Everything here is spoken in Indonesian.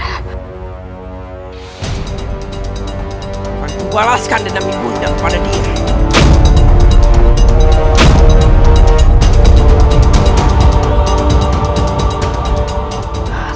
aku membalaskan dendam ibu anda kepada diri